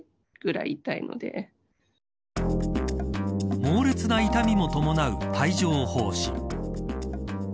猛烈な痛みも伴う帯状疱疹。